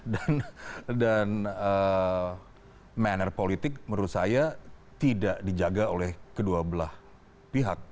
dan maner politik menurut saya tidak dijaga oleh kedua belah pihak